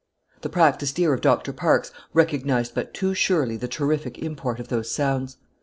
The practiced ear of Doctor Parkes recognized but too surely the terrific import of those sounds.